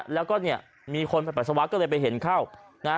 แล้วก็มีคนปรับปรับสวัสดิ์ก็เลยไปเห็นเข้า